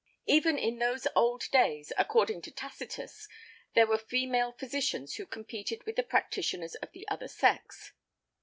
Even in those old days, according to Tacitus, there were female physicians who competed with the practitioners of the other sex.